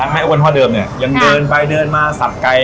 ไอ้วันพ่อเดิมเนี่ยยังเดินไปเดินมาสับไก่